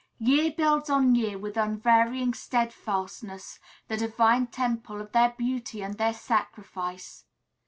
Year builds on year with unvarying steadfastness the divine temple of their beauty and their sacrifice.